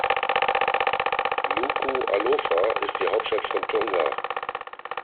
Nukuʻalofa ist die Hauptstadt von Tonga.